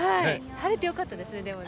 晴れてよかったですねでもね。